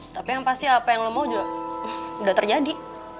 tapi yang pasti apa yang lo mau juga udah terjadi